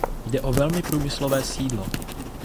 Jde o velmi průmyslové sídlo.